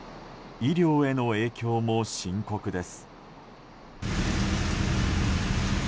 医療への影響も深刻です。